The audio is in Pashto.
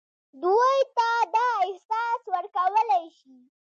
دوی ته دا احساس ورکولای شي.